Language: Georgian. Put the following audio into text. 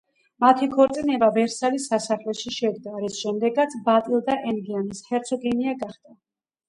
მათი ქორწინება ვერსალის სასახლეში შედგა, რის შემდეგაც ბატილდა ენგიენის ჰერცოგინია გახდა.